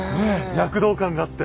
躍動感があって。